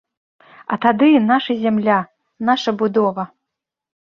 А тады наша зямля, наша будова!